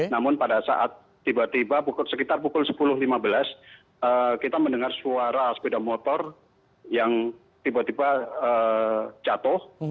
namun pada saat tiba tiba sekitar pukul sepuluh lima belas kita mendengar suara sepeda motor yang tiba tiba jatuh